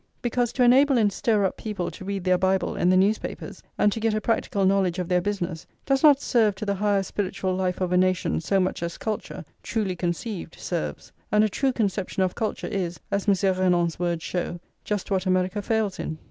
Because to enable and stir up people to read their Bible and the newspapers, and to get a practical knowledge of their business, does not serve to the higher spiritual life of a nation so much as culture, truly conceived, serves; and a true conception of culture is, as Monsieur Renan's words show, just what America fails in.